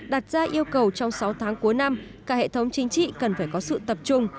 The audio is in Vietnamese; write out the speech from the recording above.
đặt ra yêu cầu trong sáu tháng cuối năm cả hệ thống chính trị cần phải có sự tập trung